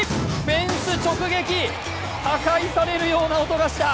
フェンス直撃、破壊されるような音がした。